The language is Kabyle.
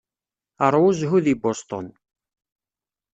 Ṛwu zzhu deg Boston.